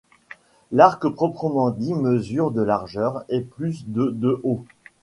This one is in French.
L'arc proprement dit mesure de largeur et plus de de haut.